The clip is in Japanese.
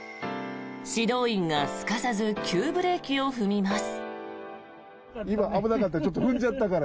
指導員がすかさず急ブレーキを踏みます。